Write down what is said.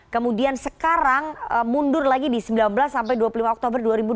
kemudian sekarang mundur lagi di sembilan belas sampai dua puluh lima oktober dua ribu dua puluh